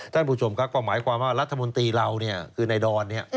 ท่านผู้ชมครับก็หมายความว่ารัฐมนตรีเราเนี่ยคือในดอนเนี่ย